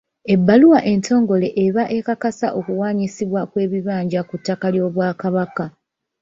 Ebbaluwa entongole eba ekakasa okuwaanyisibwa kw’ekibanja ku ttaka ly'Obwakabaka.